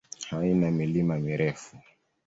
Haina milima mirefu.